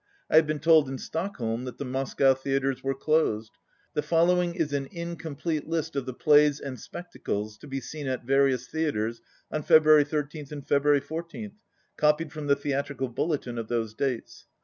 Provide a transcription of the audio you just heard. I had been told in Stock holm that the Moscow theatres were closed. The following is an incomplete list of the plays and spectacles to be seen at various theatres on Feb ruary 13 and February 14, copied from the Theat rical Bulletin of those dates.